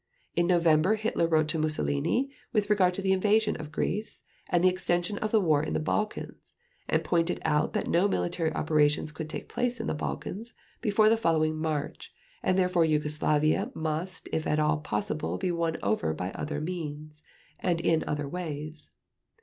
In November Hitler wrote to Mussolini with regard to the invasion of Greece, and the extension of the war in the Balkans, and pointed out that no military operations could take place in the Balkans before the following March, and therefore Yugoslavia must if at all possible be won over by other means, and in other ways.